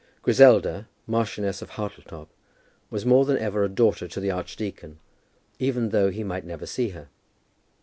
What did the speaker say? Griselda, Marchioness of Hartletop, was more than ever a daughter to the archdeacon, even though he might never see her.